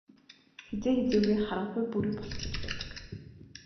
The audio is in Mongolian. Хэзээ хэзээгүй харанхуй бүрий болох гэж байдаг.